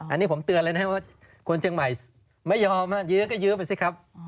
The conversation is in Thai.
อันนี้ผมเตือนเลยนะครับว่าคนเชียงใหม่ไม่ยอมยื้อก็ยื้อไปสิครับ